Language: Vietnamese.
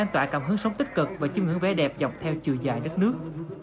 tốt tích cực và chứng hưởng vẽ đẹp dọc theo chiều dài đất nước